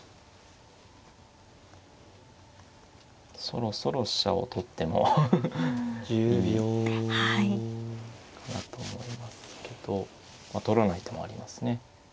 そろそろ飛車を取ってもいいかなと思いますけどまあ取らない手もありますね。